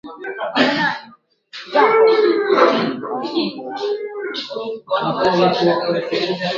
huyo ni mchambuzi wa masuala ya kisiasa kutoka nchini kenya amboga andere